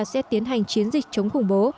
sẽ tiến hành chiến dịch chống khủng bố